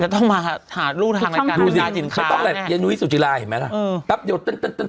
จะต้องมาหาหาลูกทางในการทำงานสินค้าไม่ต้องอะไรอย่านุ้ยสุจิรายเห็นไหมล่ะอืม